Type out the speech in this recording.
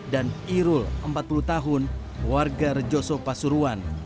dan irul empat puluh tahun warga rejoso pasuruan